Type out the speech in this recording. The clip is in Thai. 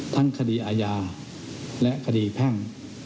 ทั้งคดีอาญาและคดีแพ่ง